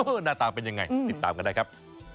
หน้าตาเป็นยังไงติดตามกันได้ครับ